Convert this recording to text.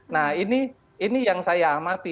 nah ini yang saya amati